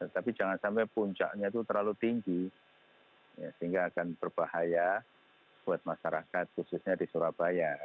tapi jangan sampai puncaknya itu terlalu tinggi sehingga akan berbahaya buat masyarakat khususnya di surabaya